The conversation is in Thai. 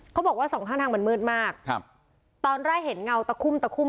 เขาบอกว่าสองข้างทางมันมืดมากครับตอนแรกเห็นเงาตะคุ่มตะคุ่ม